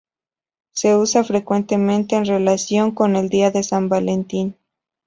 Se usa frecuentemente en relación con el Día de San Valentín.